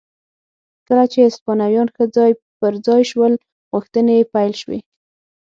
کله چې هسپانویان ښه ځای پر ځای شول غوښتنې یې پیل شوې.